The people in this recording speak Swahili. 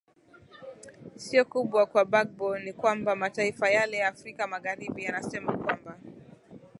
sio kubwa kwa bagbo ni kwamba mataifa yale ya afrika magharibi yanasema kwamba